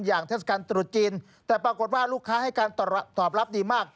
เทศกาลตรุษจีนแต่ปรากฏว่าลูกค้าให้การตอบรับดีมาก